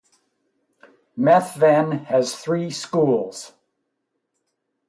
Methven has three schools.